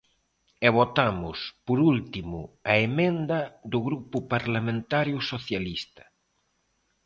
E votamos, por último, a emenda do Grupo Parlamentario Socialista.